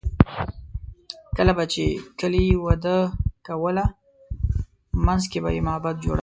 کله به چې کلي وده کوله، منځ کې به یې معبد جوړاوه.